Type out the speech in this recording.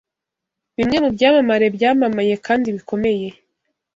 Bimwe mubyamamare byamamaye kandi bikomeye